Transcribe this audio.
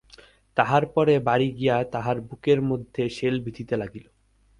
তাহার পরে বাড়ি গিয়া তাহার বুকের মধ্যে শেল বিঁধিতে লাগিল।